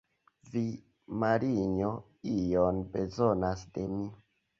Vi, Marinjo, ion bezonas de mi?